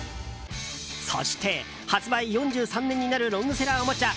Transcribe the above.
そして、発売４３年になるロングセラーおもちゃ